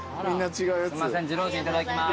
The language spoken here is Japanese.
すいません寿老人いただきます。